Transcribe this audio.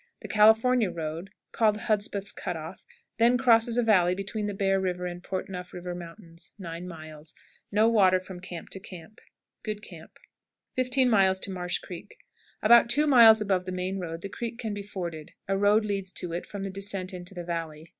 The California road (called Hudspeth's Cut off) then crosses a valley between the Bear River and Port Neuf River Mountains, 9 miles. No water from camp to camp. Good camp. 15. Marsh Creek. About two miles above the main road the creek can be forded; a road leads to it from the descent into the valley.